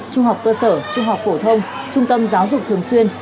trung học cơ sở trung học phổ thông trung tâm giáo dục thường xuyên